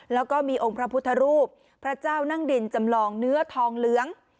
แล้วก็มีองค์พระพุทธรูปพระเจ้านั่งดินจำลองเนื้อทองเหลือง